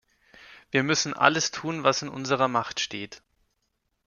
Wir müssen alles tun, was in unserer Macht steht.